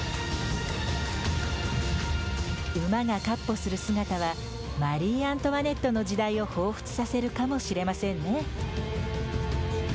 馬が、かっぽする姿はマリー・アントワネットの時代を、ほうふつさせるかもしれませんね。